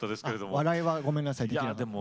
笑いはごめんなさいできなかった。